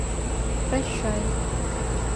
Прощай!